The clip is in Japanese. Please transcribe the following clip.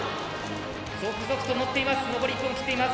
続々とのっています。